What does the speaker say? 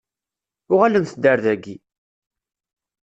Uɣalemt-d ar daki.